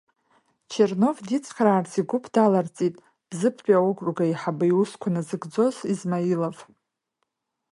Чернов дицхраарц игәыԥ даларҵеит Бзыԥтәи аокруг аиҳабы иусқәа назыгӡоз Измаилов.